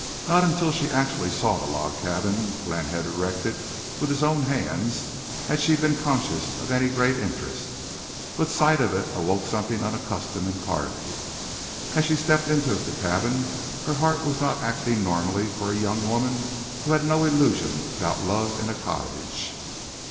Not until she actually saw the log cabin Glenn had erected with his own hands had she been conscious of any great interest. But sight of it awoke something unaccustomed in Carley. As she stepped into the cabin her heart was not acting normally for a young woman who had no illusions about love in a cottage.